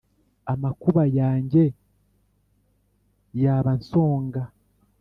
amakuba yanjye y’abansonga